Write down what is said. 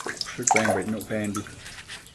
ushë cuembo icnuc pembi